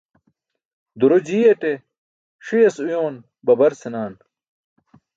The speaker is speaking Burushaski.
Duro jiyate, ṣiyas uyoon baber senaan.